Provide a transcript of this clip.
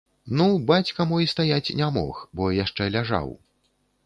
Ну, бацька мой стаяць не мог, бо яшчэ ляжаў.